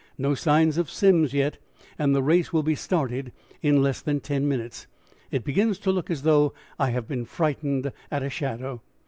No signs of Simms yet and the race will be started in less than ten minutes. It begins to look as though I have been frightened at a shadow."